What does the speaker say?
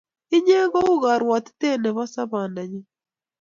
inye ko u karwatitet nebo sabonda nyun